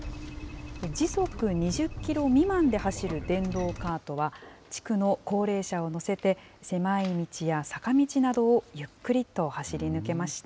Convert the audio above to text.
時速２０キロ未満で走る電動カートは、地区の高齢者を乗せて、狭い道や坂道などをゆっくりと走り抜けました。